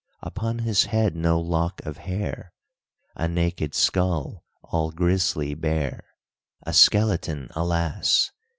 Upon his head no lock of hair A naked skull, all grisly bare; A skeleton, alas!